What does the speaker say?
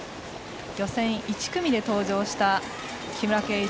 予選１組で登場した木村敬一。